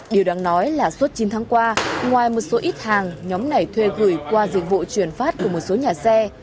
điều đáng nói là suốt chín tháng qua ngoài một số ít hàng nhóm này thuê gửi qua dịch vụ chuyển phát của một số nhà xe